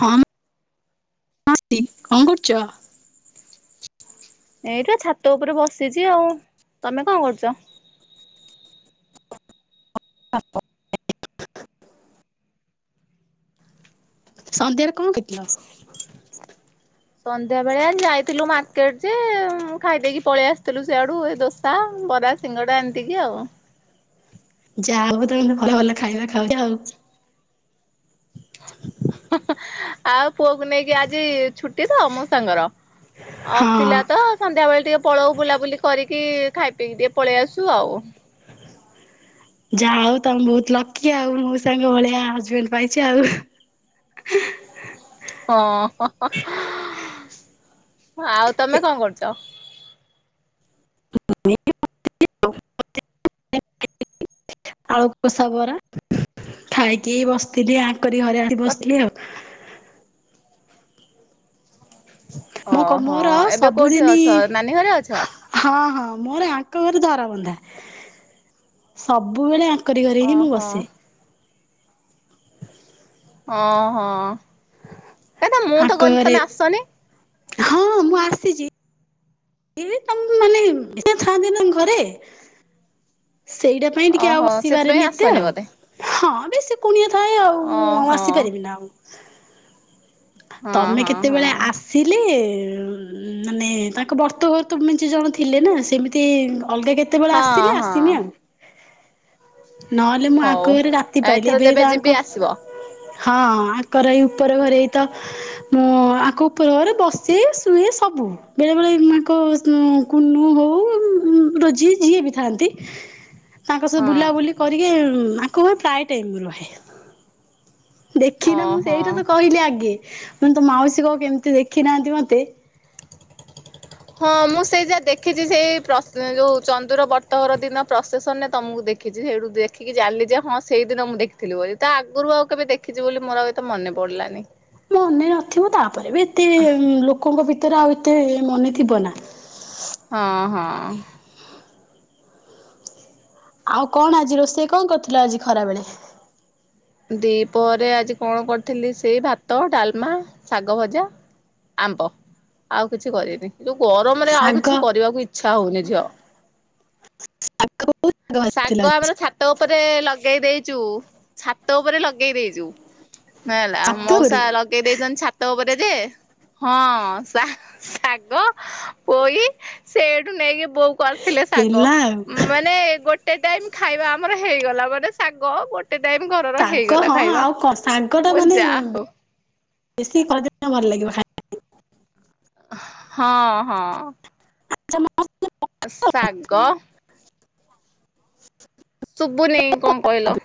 ହଁ। [unintelligible] କଣ କରୁଚ? ଏଇଟା ଛାତ ଉପରେ ବସିଚି ଆଉ। ତମେ କଣ କରୁଚ? [unintelligible] ସନ୍ଧ୍ୟାରେ କଣ ଖାଇଥିଲ? ସନ୍ଧ୍ୟା ବେଳେ ଆ ଯାଇଥିଲୁ ମାର୍କେଟ ଯେ ଖାଇଦେଇକି ପଳେଇ ଆସିଥିଲୁ ସେଆଡୁ ଏ ଦୋ ସା ବରା ସିଙ୍ଗଡ଼ା ଏମତି କିି ଆଉ। ଯା ହଉ ତମେ ଭଲ ଭଲ ଖାଇବା ଖାଉଚ ଆଉ। ଆଉ ପୁଅକୁ ନେଇକି ଆଜି ଛୁଟି ତ ମୋ ମୋଉସାଙ୍କର ହଁ ଅଫ୍ ଥିଲା ତ ସନ୍ଧ୍ୟା ବେଳେ ଟିକେ ପଳଉ ବୁଲାବୁଲି କରିକି ଖାଇ ପିଇକି ଟିକେ ପଳେଇ ଆସୁ ଆଉ। ଯା ହଉ ତମେ ବହୁତ ଲକି ଆଉ ମୋଉସା ଙ୍କ ଭଳିଆ ହଜବେଣ୍ଡ ପାଇଚ ଆଉ। ହଁ। ଆଉ ତମେ କଣ କରୁଚ? [unintelligible] ବରା ଖାଇକି ବସିଥିଲି ଆଙ୍କରି ଘରେ ଆସିକି ବସିଥିଲି ଆଉ। ମୁ କ ଓହୋ ମୋର ଏବେ କୋଉଠି ସବୁଦିନ ଅଛ ନାନୀ ଘରେ ଅଛ? ହଁ ହଁ ମୋର ଆଙ୍କ ଘରେ ଧରାବନ୍ଧା ସବୁବେଳେ ଆ ଙ୍କରି ଘରେ ହିଁ ମୁଁ ଓହୋ ବସେ। ଓହୋ ତାଲତ ମୁଁ ଆଙ୍କ ତ ଗଲି ଘରେ ତମେ ଆସନି। ହଁ ମୁଁ ଆସିଚି। [unintelligible] ତମ ମାନେ ଏକା ଥାନ୍ତିନା ଘରେ। ସେଇଟା ପାଇଁ ଟିକେ ଆଉ ଓହୋ ସେଥିପାଇଁ ଆସିପାରେନି ଏତେ ଆସନି ଆଉ। ବୋଧେ ହଁ ବେଶୀ କୁଣିଆ ଥାଏ ଆଉ ଓହୋ ମୁଁ ହଁ ଆସିପାରିବି ନା ଆଉ। ହଁ ତମେ କେତେବେଳେ ହଁ ଆସିଲେ ଉ ମାନେ ତାଙ୍କ ବର୍ତ୍ [unintelligible] ମିଞ୍ଚି ଜଣ ଥିଲେ ନା ସେମିତି ଅଲଗା କେତେବେଳେ ହଁ ଆସିଲେ ହଁ ଆସିମି ଆଉ। ନହେଲେ ମୁଁ ହଉ। ଆଙ୍କ ଘରେ ରାତି ପାଇଲି ଏଥର ଏବେ ଯେବେ ଏବେ ଯିବି ଆଙ୍କ ଆସିବ ହଁ ଆଙ୍କର ଏଇ ଉପର ଘରେ ଏଇ ତ ମୁଁ ଆଙ୍କ ଉପର ଘରେ ବସେ ସୁଏ ସବୁ। ବେଳେ ବେଳେ କ- [unintelligible] କୁନୁ ହଉ ଉଁ, ରୋଜି ଯିଏ ବି ଥାଆନ୍ତି। ତାଙ୍କ ସହ ହଁ ବୁଲାବୁଲି କରିକି ଉଁ, ଆଙ୍କ ଘରେ ପ୍ରାୟ ଟାଇମ୍ ମୁଁ ରୁହେ। ଦେଖିଲ ତ ମୁଁ ଓହୋ। ସେଇଟା ତ କହିଲି ଆଗେ, ମୁଁ କହିନି ତ ମାଉସୀ କହ କେମିତି ଦେଖିନାହାନ୍ତି ମୋତେ। ହଁ ମୁଁ ସେଇ ଯା ଦେଖିଚି ସେଇ ପ୍ରସ୍ ଯୋଉ ଚନ୍ଦୁର ବର୍ତଘର ଦିନ ପ୍ରସେସନ୍ ରେ ତୋମକୁ ଦେ ଦେଖିଚି ସେଇଠୁ ଦେଖିକି ଜାଣିଲି ଯେ ହଁ ସେଇଦିନ ମୁଁ ଦେଖିଥିଲି ବୋଲି। ତା ଆଗରୁ ଆଉ କେବେ ଦେଖିଚି ବୋଲି ମୋର ଆଉ ଏ ତ ମନେ ପଡ଼ିଲାନି। ମନେ ନଥିବ ତାପରେ ବି ଏତେ ଉଁ, ଲୋକଙ୍କ ଭିତରେ ଆଉ ଏତେ ମନେଥିବ ନା। ହଁ, ହଁ। ଆଉ କଣ ଆଜି ରୋଷେଇ କଣ କରିଥିଲ ଆଜି ଖରା ବେଳେ? ଦିପରେ ଆଜି କଣ କରିଥିଲି ସେଇ ଭାତ, ଡାଲମା, ଶାଗ ଭଜା। ଆମ୍ବ, ଆଉ କିଛି କରିନି। ଯୋଉ ଗରମରେ ଆଉ ଶାଗ କିଛି କରିବାକୁ ଇଚ୍ଛା ହଉନି ଝିଅ। ଶାଗ କୋଉ ଭାଜିଥିଲ ଶାଗ ଆଜି? ଆମର ଛାତ ଉପରେ ଲଗେଇ ଦେଇଚୁ। ଛାତ ଉପରେ ଲଗେଇ ଦେଇଚୁ। ହେଲା ଆଉ ମଉସା ଛାତୁରେ ଲଗ ଗେଇ ଦେଇଚନ୍ ଛାତ ଉପରେ ଯେ ହଁ ଶା-ଶାଗ ପୋଇ ସେଇଠୁ ନେଇକି ବୋଉ କରିଥିଲେ ଶାଗ, ହେଲା ଆଉ ଉଁ, ମାନେ ଗୋ ଟେ ଟାଇମ୍ ଖାଇବା ଆମର ହେଇଗଲା, ମାନେ ଶାଗ ଗୋଟେ ଟାଇମ ଘରର ଶାଗ ହେଇଗଲା ହଁ ଖାଇବା। ଆଉ କଣ ଶାଗ ଟା ମୁଁ କହିଲି ମାନେ ଯା ହଉ ବେ-ବେଶୀ [inaudible] ଭଲ ଲାଗିବ ଖାଇ ହଁ, ହଁ। ଶାଗ ଶୁବୁନି କଣ କହିଲ?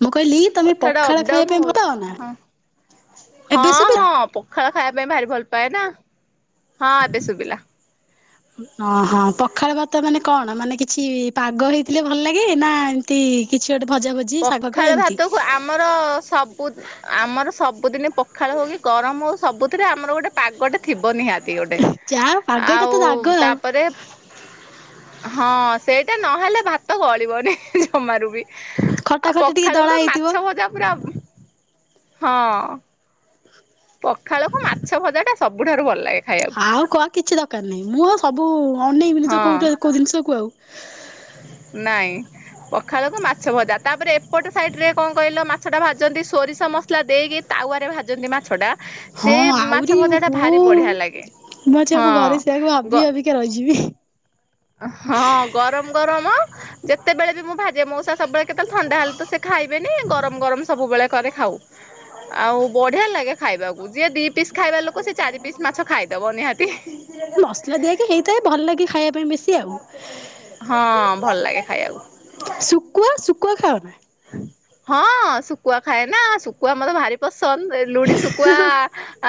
ମୁଁ କହିଲି ତୋମେ କଥାଟା ପଖାଳ ଖାଇବା ଅପଡାଉନ ପାଇଁ ହଉ ଭଲ ପାଅନା? ହଁ ଏବେ ଶୁବିଲା? ହଁ ହଁ ପଖାଳ ଖାଇବା ପାଇଁ ଭାରି ଭଲ ପାଏ ନା, ହଁ ଏବେ ଶୁବିଲା। ଅଁ, ହଁ ପଖାଳ ଭାତ ମାନେ କଣ ମାନେ କିଛି ପାଗ ହେଇଥିଲେ ଭଲ ଲାଗେ ନା ଏମ ତି କିଛି ଗୋଟେ ଭଜା ଭଜ ପଖାଳ ଭାତ କୁ ଆମର ସବୁ ଆମର ସବୁଦିନେ ପଖାଳ ହଉ କିି ଗରମ ହଉ ସବୁଥିରେ ଆମର ଗୋଟେ ପାଗଟେ ଥିବ ନିହା ତି ଗୋଟେ ଯାହା ପାଗଟା ତ ଆଉ ରାଗ ଆଉ ତାପରେ ହଁ ସେଇଟା ନହେଲେ ଭାତ ଗଳିବନି ଜମାରୁ ବି। ଖଟା ଆଉ ଖଟି ଟିକେ ପଖାଳକୁ ଦଳା ତ ହେଇଥିବ। ମାଛ ଭଜା ପୁରା ହଁ ପଖାଳକୁ ମାଛ ଭଜା ଟା ସବୁଠାରୁ ଭଲ ଲାଗେ ଖାଇବାକୁ। ଆଉ କଣ ଆଉ କିଛି ଦରକାର ନାହିଁ, ମୁଁ ଆଉ ସବୁ ଅନେଇବିନି ତ ହଁ କୋଉଠି ଆ, କୋଉ ଜିନିଷକୁ ଆଉ। ନାଇଁ। ପଖାଳକୁ ମାଛ ଭଜା, ତାପରେ ଏପଟ ସାଇଟରେ କଣ କହିଲ ମାଛଟା ଭାଜନ୍ତି ସୋରିଷ ମସଲା ଦେଇକି ତାୱରେ ଭାଜନ୍ତି ମାଛଟା। ହଁ ଆଉରି ଓହୋ, ବଢିଆ ଲାଗେ ମୁଁ ଆଜି ଆମ ଘରେ ହଁ ସେୟାକୁ ଗ ଭାବି ଭାବି କା ରହିଯିବି। ହଁ ଗରମ ଗରମ ଯେତେବେଳେ ବି ମୁଁ ଭାଜେ ମଉସା ସବୁବେଳେ କେତେବେଳେ ଥଣ୍ଡା ହେଲେ ତ ସେ ଖାଇବେନି। ଗରମ ଗରମ ସବୁବେଳେ କରେ ଖାଉ। ଆଉ ବଢିଆ ଲାଗେ ଖାଇବାକୁ। ଯିଏ ଦି ପିସ୍ ଖାଇବା ଲୋକ ସେ ଚାରି ପିସ୍ ମାଛ ଖାଇଦବ ନିହାତି। ମସଲା ଦିଆହେଇକି ହେଇଥାଏ ଭଲ ଲାଗେ ଖାଇବା ପାଇଁ ବେଶୀ ଆଉ। ହଁ ଭଲ ଲାଗେ ଖାଇବାକୁ। ଶୁକୁଆ ଶୁକୁୁଆ ଖାଅ ନା? ହଁ ଶୁକୁଆ ଖାଏ ନା, ଶୁକୁଆ ମୋର ଭାରି ପସନ୍ଦ। ରେ ଲୁଣି ଶୁକୁଆ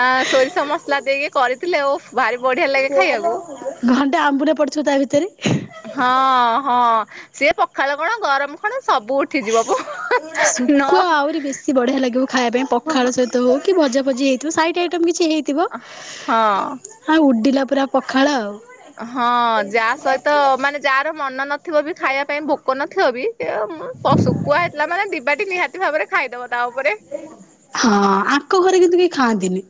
ଆ, ସୋରିଷ ମସଲା ଦେଇକି କରିଥିଲେ ଓଃ ଭାରି ବଢିଆ ଲାଗେ ଖାଇବାକୁ। ଭଣ୍ଡେ ଆମ୍ବୁଲ ପଡ଼ିଥିବ ତା ଭିତରେ। ହଁ, ହଁ ସିଏ ପଖାଳ କଣ ଗରମ କଣ ସବୁ ଉ ଶୁଖୁଆ ଆହୁରି ବେଶି ବଢିଆ ଲାଗିବ ଖାଇବା ପାଇଁ ପଖାଳ ସହିତ ହଉ କି ଭଜା ଭଜି ହେଇଥିବ ସାଇଟ ଆଇଟମ୍ କିଛି ହେଇଥିବ। ହଁ। ଆଉ ଉଡ଼ିଲା ପୁରା ପଖାଳ ଆଉ। ହଁ ଯା ସହିତ ମାନେ ଯାହାର ମନ ନଥିବ ବି ଖାଇବା ପାଇଁ ଭୋକ ନଥିବ ବି ସେ ପ ଶୁକୁଆ ହେଇଥିଲା ମାନେ ଦିବାଟି ନିହାତି ଭାବରେ ଖାଇଦବ ତା ଉପରେ। ହଁ ଆଙ୍କ ଘରେ କିନ୍ତୁ କେହି ଖାଆନ୍ତିନି।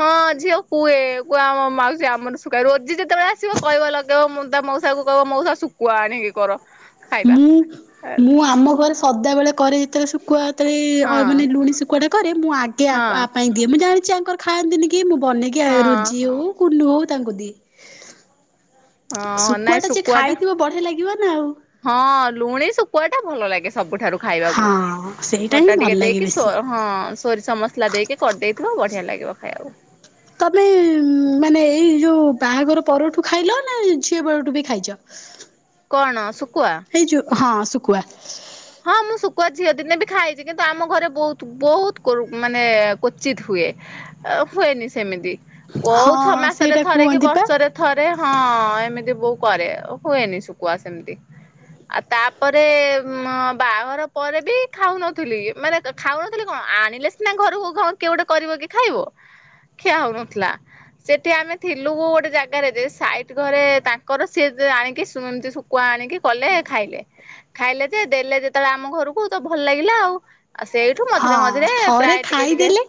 ହଁ ଝିଅ କୁଏ କୁହ ଆମ ମାଉସୀ ଆମର ଶୁଖୁଆ ରୋଜି ଯେତେବେଳେ ଆସିବ କହିବଲ। ଯୋଉ ତା ମଉସାକୁ କହିବ ମଉସା ଶୁଖୁଆ ଆଣିକି କର। ଖାଇବା। ମୁଁ ହେଲା ମୁଁ ଆମ ଘରେ ସଦାବେଳେ କରେ ଯେତେବେଳେ ଶୁକୁଆ। ହଁ ମାନେ ଲୁଣି ଶୁଖୁଟାକରେ ମୁଁ ଆଗେ ହଁ ଆ ପାଇଁ ଦିଏ ମୁଁ ଜାଣିଛି ଆଙ୍କର ଖାଆନ୍ତିନି କି ମୁଁ ବନେଇକି ଆଉ ହଁ ରୋଜି ହଁ। ହଉ କୁଲୁ ହଉ ତାଙ୍କୁ ଦିଏ। ହଁ ନାଇଁ ଶୁକୁଆଟା ଯେ ଶୁଖୁଆ ଟା ଖାଇଥିବ ବଢ଼ିଆ ଲାଗିବ ନା ଆଉ। ହଁ ଲୁଣି ଶୁଖୁଆଟା ଭଲ ଲାଗେ ସବୁଠାରୁ। ଖାଇବାକୁ ହଁ ସେଇଟା ହିଁ ହଟା ଭଲ ଟିକେ ଲାଗେ ଦେଇକି ସୋ ବେଶୀ। ହଁ। ସୋରିଷ ମସ୍ଲା ଦେଇକି କରିଦେଇଥିବ ବଢ଼ିଆ ଲାଗିବ ଖାଇବାକୁ। ତମେ ମାନେ ଏଇ ଯୋଉ ବାହାଘର ପରଠୁ ଖାଇଲ ନା ଝିଅ ବେଳଠୁ ବି ଖାଇଚ। କଣ ଶୁକୁଆ। ହେଇ ଯୋଉ ହଁ ଶୁକୁଆ। ହଁ ମୁଁ ଶୁକୁଆ ଝିଅ ଦିନେ ବି ଖାଇଚି କିନ୍ତୁ ଆମ ଘରେ ବୋହୁତ୍ ବୋହୁତ୍ ମାନେ କୋଚିତ୍ ହୁଏ। ହୁଏନି ସେମିତି କୋଉ ହଁ ଛଅ ମାସରେ ସେଇଟା ଥରେ କି କୁହନ୍ତି ପା। ବର୍ଷରେ। ଥରେ ହଁ ଏମିତି ବୋଉ କରେ ହୁଏନି ଶୁକୁଆ ସେମ୍ତି। ଆଉ ତାପରେ ମ ବାହାଘର ପରେ ବି ଖାଉନଥିଲି ମାନେ ଖାଉନଥିଲି କଣ ଆଣିଲେ ସିନା ଘରକୁ ଖାଉ କିଏ ଗୋଟେ କରିବ କି ଖାଇବ ଖିଆ ହଉନଥିଲା। ସେଠି ଆମେ ଥିଲୁ ଗୋଟେ ଜାଗାରେ ଯେ ସାଇଟ ଘରେ ତାଙ୍କର ସିଏ ଆଣିକି ଶୁ ସୁ ଶୁକୁଆ ଆଣିକି କଲେ ଖାଇଲେ ଖାଇଲେ ଯେ ଦେଲେ ଯେତେବେଳେ ଆମ ଘରକୁ ତ ଭଲ ଲାଗିଲା ଆଉ। ଆଉ ସେଇଠୁ ମଝିରେ ମଝିରେ ହଁ ଥରେ ପ୍ରାୟ ଟିକେ ଟିକେ ଖାଇଦେଲେ।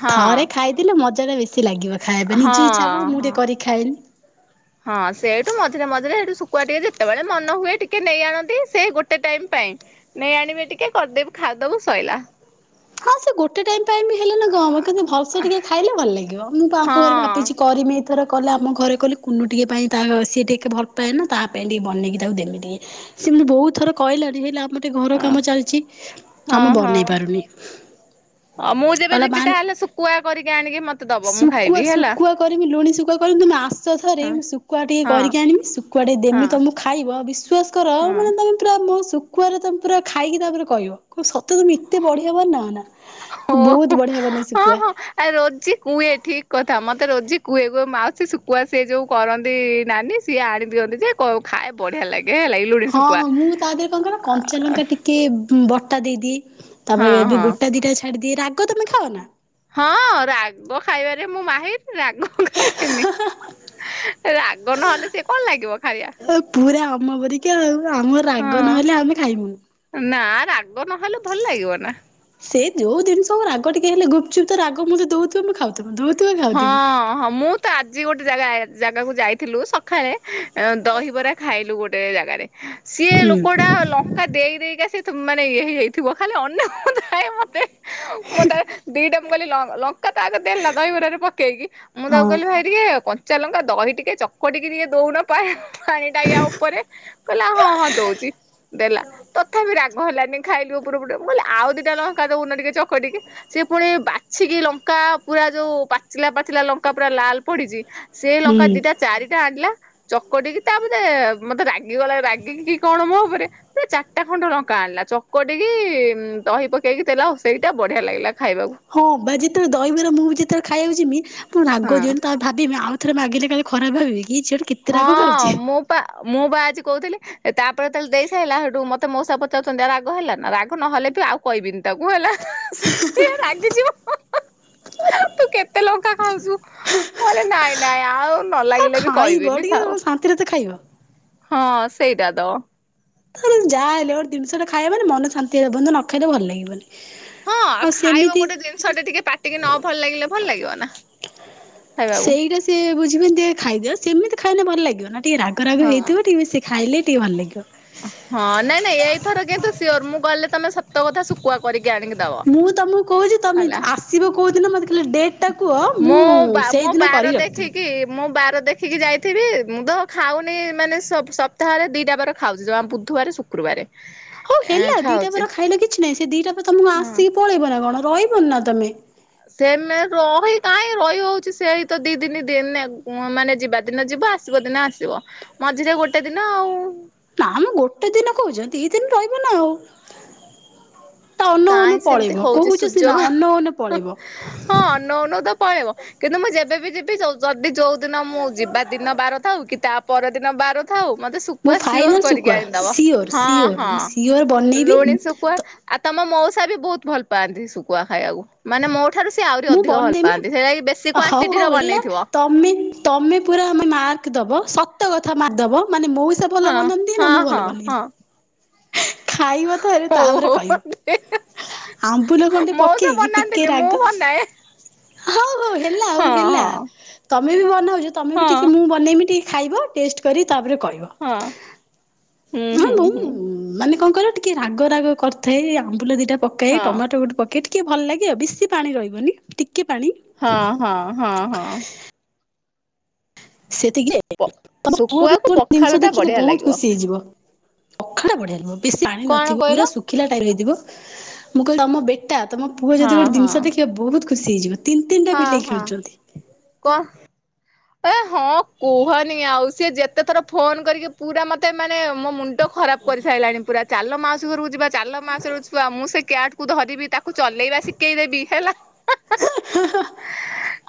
ହଁ ଥରେ ଖାଇଥିଲେ ମଜାଟା ବେଶୀ ଲାଗିବ ଖାଇବା ହଁ ନିଜେ ଇଚ୍ଛା ହବ ମୁଁ ହଁ। ଟିକେ କରିିକି ଖାଏନି। ହଁ ସେଇଠୁ ମଝିରେ ମଝିରେ ସେଇଠୁ ଶୁଖୁଆ ଟିକେ ଯେତେବେଳେ ମନ ହୁଏ ଟିକେ ନେଇ ଆଣନ୍ତି ସେ ଗୋଟେ ଟାଇମ୍ ପାଇଁ। ନେଇ ଆଣିବେ ଟିକେ କର୍ଦେବି ଖାଇଦବୁ ସଇଲା। ହଁ ସେ ଗୋଟେ ଟାଇମ ପାଇଁ ବି ହେଲେ ନା କଣ ହେବ କିନ୍ତୁ ଭଲସେ ଟିକେ ଖାଇଲେ ଭଲ ଲାଗିବ ମୁଁ ଆଙ୍କ ଘରେ ଭାବିଛି ହଁ। କରିମି। ଥର କଲେ ଆମ ଘରେ କହିଲେ କୁନୁ ଟିକେ ପାଇଁ ତା ସିଏ ଟିକେ ଭଲପାଏ ନା ତା ପାଇଁ ଟିକେ ବନେଇକି ତାକୁ ଦେମି ଟିକେ। ସେ ମୋତେ ବହୁତ୍ ଥର କହିଲାଣି ହେଲେ ଆମ ଟିକେ ଘର ହଁ। କାମ ଚାଲିଛି ଆମେ ବନେଇ ପାରୁନି। ତ ମୁଁ ଯେବେ କହିଲା ଯିବି ମାନ ତାହେଲେ ଶୁକୁଆ କରିକି ଆଣିକି ମତେ ଦବ ମୁଁ ଶୁଖୁଆ ଖାଇବି ହେଲା। ଶୁଖୁଆ କରିମି ଲୁଣି ଶୁଖୁଆ କରିମି [unintelligible] ଥରେ ହଁ ମୁଁ ଶୁଖୁଆ ଟିକେ ହଁ କରିକି ଆଣିବି ସୁକୁଆ ଟିକେ ଦେମି ହଁ ତମକୁ ଖାଇବ ବିଶ୍ୱାସ କର ହଁ ମାନେ ତା ତମେ ପୁରା ମୋ ଶୁଖୁଆରେ ତମେ ପୁରା ଖାଇକି ତାପରେ କହିବ ସତେ ତମେ ଏତେ ବଢିଆ ବନାଅନା। ହଁ ହଁ ହଁ। ଆ ରୋଜି କୁଏ ଠିକ୍ କଥା ମତେ ରୋଜି କୁଏ କୁଏ ମାଉସୀ ଶୁକୁଆ ସିଏ ଯୋଉ କରନ୍ତି ନାନୀ। ସିଏ ଆଣି ଦିଅନ୍ତି ଯେ ଖାଏ ବଢିଆ ଲାଗେ ହେଲା। ଲୁଣି ହଁ ଶୁଖୁଆ। ହଁ ମୁଁ ତା ଦେହରେ କଣ କରେ କଞ୍ଚାଲଙ୍କା ଟି ଟିକେ ବଟା ଦେଇଦିଏ ହଁ ତାପରେ ଏବେ ହଁ ଗୋଟା ଦିଟା ଛାଡ଼ିଦିଏ ରାଗ ତମେ ଖାଅ ନା। ହଁ ରାଗ ଖାଇବାରେ ମୁଁ ମାହିର୍ ରାଗ ଖାଇବିନି। ରାଗ ନହେଲେ ସିଏ କଣ୍ ଲାଗିବ ଖାଇଆ ଆଉ ପୁରା ଅମ ପରିକା ଆଉ ଆମ ରାଗ ନହେଲେ ହଁ ଆମେ ଖାଇବୁନି। ନା ରାଗ ନହେଲେ ଭଲ୍ ଲାଗିବ ନା। ସେ ଯୋଉ ଜିନ୍ଷ ହଉ ରାଗ ଟିକେ ହେଲେ ଗୁପ୍ଚୁପ୍ ରାଗ ମୁ ଦଉଥିବେ ମୁଁ ଖାଉ ହଁ ହଁ ମୁଁ ତ ଆଜି ଗୋଟେ ଜାଗା ଜାଗାକୁ ଯାଇଥିଲୁ ସଖାଳେ ଦହିବରା ଖାଇଲୁ ଗୋଟେ ଜାଗାରେ। ସିଏ ହୁଁ। ଲୋକଡା ଲ ଦେଇ ଦେଇ କା ସେ ମାନେ ଇ ହେଇ ଯାଇଥିବ ଖାଲି ଅନାଉ ଥାଏ ମତେ ମୁଁ ତା ଦିଟା ମୁଁ କହିଲି ଲଙ୍କା ତା ଆଗ ଦେ ଦହିବରରେ ପକେଇକି ମୁଁ ହଁ ତାକୁ କହିଲି ଭାଇ ଟିକେ କଞ୍ଚା ଲଙ୍କା ଦହି ଟିକେ ଚକଟିକି ଟିକେ ଦଉନ ପା ପାଣିନାହିଁ ଆ ଉପରେ କହିଲା ହଁ ହଁ ଦଉଚ଼ ଦେଲା ତଥାପି ରାଗ ଗ ହେଲାନି ଖାଇଲୁ ପୁରା ପଟେଲେ ଆଉ ଦିଟା ଲଙ୍କା ଦଉନ ଟିକେ ଚକଟିକି ସେ ପୁଣି ବାଛିକି ଲଙ୍କା ପୁରା ଯୋଉ ପାଚିଲା ପାଚିଲା ଲଙ୍କା ପୁରା ଲାଲ ପଡିଛି ସେଇ ହୁଁ। ଲଙ୍କା ଦିଟା ଚାରିଟା ଆଣିଲା ଚକଟିକି ତା ପରେ ମତେ ରାଗିଗଲା ରାଗି କି କଣ ମୋ ଉପରେ ସେ ଚାରିଟା ଖଣ୍ଡ ଲଙ୍କା ଆଣିଲା ଚକଟିକି ଦହି ପକେଇକି ଦେଲା ଆଉ ସେଇଟା ବଢିଆ ଲାଗିଲା ଖାଇବାକୁ। ହଁ ବା ଯେତେବେଳେ ଦହିବରା ମୁଁ ବି ଯେତେବେଳେ ଖାଇବାକୁ ଜିମି ପୁରା ହଁ ରାଗ ଦିଅନି ତା ଭାବିବି ଆଉଥରେ ମାଗିଲେ କାଳେ ଖରାପ ଭାବିବେ କି ଏଝି ହଁ ମୁଁ ପା ମୁଁ ବା ଆଜି କହୁଥିଲି ତାପରେ ତାହେଲେ ଦେଇ ସାରିଲା ସେଠୁ ମତେ ମଉସା ପଚାରୁଛନ୍ତି ରାଗ ହେଲା ନା ରାଗ ନହେଲେ ବି ଆଉ କହିବିନି ତାକୁ ହେଲା ସିଏ ରାଗିଯିବ। ତୁ କେତେ ଲଙ୍କା ଖାଉଛୁ, ମୁ କହିଲି ନାଇଁ ନାଇଁ ଆଉ ନ ଆଉ ଲାଗିଲେ ବି ଖାଇବ କହିବିନି। ଟିକେ ଥାଉ ଶାନ୍ତିରେ ତ ଖାଇବ। ହଁ ସେଇଟା ତ। ତା ଯାହା ହେଲେ ଗୋଟ ଜିନିଷ ଟେ ଖାଇବ ମାନେ ଶାନ୍ତି ହେଲା ପନ୍ତ ନ ଖାଇଲେ ଭଲ ଲାଗିବନି। ହଁ ଆଉ ଖାଇବ ଗୋଟେ ଜିନିଷ ଟେ ଟିକେ ପାଟିକି ନ ଭଲ ଲାଗିଲେ ଭଲ ଲାଗିବ ନା। ଖାଇବାକୁ ସେଇଟା ସିଏ ବୁଝିିବନ୍ତି ଖାଇଦିଅ ସେମିତି ଖାଇଲେ ଭଲ ଲାଗିବ ନା। ଟିକେ ରାଗ ରାଗ ହଁ। ହେଇଥିବ ଟିକେ ବେଶି ଖାଇଲେ ଟିକେ ଭଲ ଲାଗିବ। ହଁ ନା ନାଇଁ ଏଇଥର କିୁ ସିଓର ମୁଁ ଗଲେ ତମେ ସତ କଥା ଶୁଖୁଆ କରିକି ଆଣିକି ଦବ ହେଲା। ଶିବ କୋଉଦିନ ମୋତେ ଖାଲି ଡେଟ୍ ଟା କୁହ ମୁଁ ବା ମୋ ସେଇଦିନ ବାର କରି ରଖିଥିବି। ଦେଖିକି ମୁଁ ବାର ଦେଖିକି ଯାଇଥିବି ମୁଁ ତ ଖାଉନି ମାନେ ସପ୍ତାହରେ ଦିଟା ବାର ଖାଉଛି ଜମା ବୁଧବାର ଶୁକ୍ରବାର। ହଉ ହେଲା ଦିଟା ବାର ଖାଇଲ କିଛି ନାହିଁ ସେ ଦିଟା ବାର ତମକୁ ହଁ। ଆସିକି ପଳେଇବ ନା କଣ ରହିବନି ନା ତମେ ତେମେ ରହି କାହିଁଁ ରହି ହଉଛି ସେଇ ତ ଦି ଦିନି ଦିନ ମାନେ ଯିବା ଦିନ ଯିବ ଆ ସିବା ଦିନେ ଆସିବ ମଝିରେ ଗୋଟେ ଦିନ ଆଉ। ନା ମ ଗୋଟେ ଦିନ କହୁଛ ଦି ଦିନ ରହିବ ନା ଆଉ। ତା ଅନୋଉ ଅନୋଉ କାହିଁ ସେମିତି ପଳେଇବ ହଉଛି କହୁଛ ସୁଯୋଗ। ସିନା ଅନୋଉ ଅନୋଉ ପଳେଇବ। ହଁ ଅନଉ ଅନଉ ତ ପଳେଇବ କିନ୍ତୁ ମୁଁ ଯେବେବି ଯିବି ଯଦି ଯୋଉ ଦିନ ମୁଁ ଯିବା ଦିନ ବାର ଥାଉ କି ତା ପର ଦିନ ବାର ଥାଉ ମତେ ମୁଁ ଶୁଖୁଆ ଫାଇନାଲ ସିଓର କରିକି ଶୁଖୁଆ ଆଣିଦବ ସିଓର ହଁ ସିଓର ହଁ ମୁଁ ସିଓର ବନେଇବି। ଲୁଣି ଶୁଖୁଆ ତ ଆଉ ତମ ମଉସା ବି ବହୁତ ଭଲ ପାଆନ୍ତି ଶୁଖୁଆ ଖାଇବାକୁ। ମାନେ ମୋଠାରୁ ସିଏ ଆହୁରି ମୁଁ ଅଧିକ ଭଲ ବନେଇମି ପାଆନ୍ତି ସେଇନା କିି ବେଶୀ କ୍ୱାଣ୍ଟିର ବନେଇଥିବ। ଅମିତ ତମେ ପୁରା ଆମେ ମାର୍କ ଦବ ସତ କଥା ମାର୍କ ଦବ ମାନେ ମୋଉସା ହଁ ଭଲ ବନାନ୍ତି ହଁ ନା ମୁଁ ହଁ ଭଲ ହଁ ବନେଇଲି। ଖାଇବ ଥରେ ତାପରେ ହଉ ହଉ କହିବ। ଆମ୍ବୁଲ ଖଣ୍ଡେ ମଉସା ପକେଇକି ଟିକେ ବନାନ୍ତିନି ମୁଁ ରାଗ ବନାଏ ହଉ ହଉ ହେଲା ଆଉ ହଁ ହେଲା ହଁ ତମେ ବି ବନାଉଛ ତମେ ବି ହଁ ଟିକେ ମୁଁ ବନେଇବି ଟିକେ ଖାଇବ ଟେଷ୍ଟ କରି ତାପରେ କହିବ। ହଁ ହୁଁ ହଁ ହୁଁ ମୁଁ ହୁଁ। ମାନେ କଣ କହିଲ ଟିକେ ରାଗ ରାଗ କରିଥାଏ ଆମ୍ବୁଲ ଦିଟା ପକେଇ ହଁ ଟମାଟୋ ଗୋଟେ ପକେଇକି ଟିକେ ଭଲ ଲାଗେ ଆଉ ବେଶୀ ପାଣି ରହିବନି ଟିକିଏ ପାଣି। ହଁ ହଁ ହଁ ହଁ। ସେତିକି ପ ତମେ ଶୁଖୁଆକୁ [unintelligible] ପଖାଳ ଜିନିଷ ଟା ଦେଖିଲେ ବଢିଆ ବହୁତ ଲାଗିବ। ଖୁସି ହେଇଯିବ। [unintelligible] ବଢିଆ ଥିବ ବେଶୀ ପାଣି କଣ ନଥିବ କହିଲ? ପୁରା ଶୁଖିଲା ଟାଇପର ହେଇଥିବ ମୁଁ କହିଲି ତମ ବେଟା ତମ ପୁଅ ହଁ ଯଦି ଗୋଟେ ହଁ। ଜିନିଷ ଦେଖିବ ବହୁତ ଖୁସି ହେଇଯିବେ। ହଁ ହଁ କଁ ଏ ହଁ କୁହନି ଆଉ ସିଏ ଯେତେ ଥର ଫୋନ କରିକି ପୁରା ମତେ ମାନେ ମୋ ମୁନ୍ ଣ୍ଡ ଖରାପ କରିସାଇଲାଣି ପୁରା ଚାଲ ମାଉସୀ ଘରକୁ ଯିବା ଚାଲ ମାଉସୀ ଘରକୁ ଯିବା ମୁଁ ସେ କ୍ୟାଟକୁ ଧରିବି ତା ତାକୁ ଚଲେଇବା ଶିକେଇ ଦେବି ହେଲା।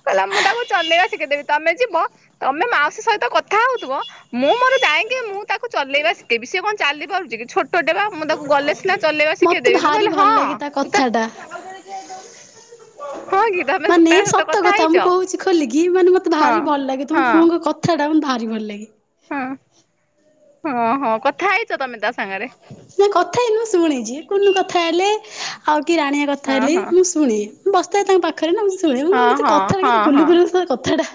କହିଲା ମୁଁ ତାକୁ ଚଲେଇବା ଶିଖେଇଦେବି ତମେ ଯିବ ତମେ ମାଉସୀ ସହିତ କଥା ହୋଉଥୁବ ମୁଁ ମୋର ଯାଇଁକି ମୁଁ ତାକୁ ଚଲେଇବା ଶିକେଇବି ସିଏ କଣ ଚାଲି ପାରୁଚି କି ଛୋଟଟେ ପା। ମୁଁ ତାକୁ ଗଲେ ସିନା ଚଲେଇବା ମତେ ଶିକେଇଦେବି ମୁଁ ଭାରି କହିଲି ଭଲ ହଁ ଲାଗେ ତା ତୁ କଥା ତ ଟା ହଁ କି ତମେ ମାନେ ତା ସହିତ ସତ କଥା ମୁଁ ହେଇଛ କୋହୁଚି ଖୋଲିକି ମାନେ ମତେ ହଁ ଭାରି ଭଲ ଲାଗେ ତମ ହଁ ପୁଅଙ୍କ କଥ୍ ଥାଟା ମତେ ଭାରି ଭଲ ଲାଗେ। ହଁ ହଁ ହଁ କଥା ହେଇଚ ତମେ ତା ସାଙ୍ଗରେ? ନାଇଁ କଥା ହେଇନୁ ମୁଁ ଶୁଣିଚି କୁନୁ କଥା ହେଲେ ଆଉ କି ରାଣୀଆ କଥା ହଁ ହେଲେ ହଁ ମୁଁ ଶୁ ଶୁଣେ ମୁଁ ବସିଥାଏ ତାଙ୍କ ପାଖରେ ନା ମୁଁ ଶୁଣେ ମୁଁ [unintelligible] ହଁ ହଁ କେତେ କଥା କେତେ ହଁ ହଁ। ଗୁଲୁଗୁଲୁ ସେ କଥାଟା।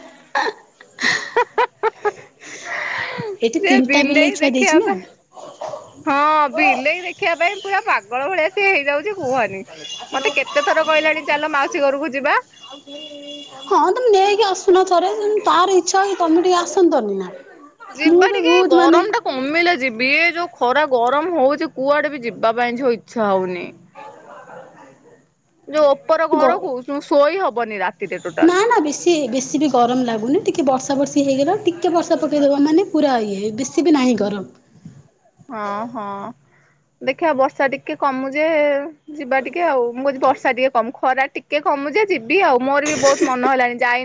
ଏଠି ସେ ତିନିଟା ବିଲେଇ ଛୁଆ ଦେଖିବା ଦେଇଛି ନା। ପାଇଁ ହଁ ବିଲେଇ ଦେଖିବା ପାଇଁ ପୁରା ପାଗଳ ଭଳିଆ ସିଏ ହେଇଯାଉଚି କୁହନି ମତେ କେତେ ଥର କହିଲାଣି ଚାଲ ମାଉସୀ ଘରକୁ ଯିବା। ହଁ ତମେ ନେଇକି ଆସୁନ ଥରେ [unintelligible] ତାର ଇଚ୍ଛା ହୋଉଚି ତମେ ଟିକେ ଆସନ୍ତନି ନା। ଯିବା ମୁଁ ବି ଟିକେ ବୋହୁତ ମାନେ ଗରମ ଟା କମିଲେ ଯିବି ଏ ଯୋଉ ଖରା ଗରମ ହୋଉଚି କୁଆଡେ ବି ଯିବା ପାଇଁ ଝିଅ ଇଚ୍ଛା ହୋଉନି। ଯୋଉ ଓପର ଗ ଘରକୁ ଶୁ ଶୋଇ ହବନି ରାତିରେ ଟୋଟାଲ। ସିଏ ବେଶୀ ବି ଗରମ ଲାଗୁନି ଟିକେ ବର୍ଷା ବର୍ଷି ହେଇଗଲା ଟିକେ ବର୍ଷା ପକେଇଦବ ମାନେ ପୁରା ଇଏ ବେଶ୍ ଶୀ ବି ନାହିଁ ଗରମ। ହଁ ହଁ ଦେଖିଆ ବର୍ଷା ଟିକେ କମୁ ଯେ ଯିବା ଟିକେ ଆଉ ମୁଁ କୋହୁଚି ବର୍ଷା ଟିକେ କମୁ ଖରା ଟିକେ କମୁ ଯେ ଯିବି ଆଉ ମୋର ବି ବୋହୁତ ମନ ହେଲାଣି ଯାଇନେ